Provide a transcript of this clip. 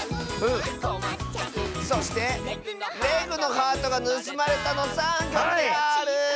そして「レグのハートがぬすまれた！」の３きょくである！